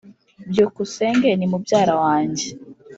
byukusenge ni mubyara wanjye